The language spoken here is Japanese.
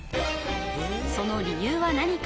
その理由は何か？